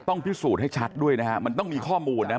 ต้องพิสูจน์ให้ชัดด้วยนะฮะมันต้องมีข้อมูลนะ